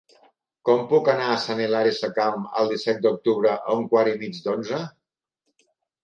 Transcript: Com puc anar a Sant Hilari Sacalm el disset d'octubre a un quart i mig d'onze?